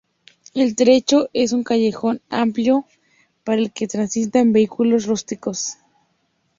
El trecho es un callejón amplio por el que transitan vehículos rústicos.